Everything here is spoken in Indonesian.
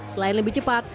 selain lebih cepat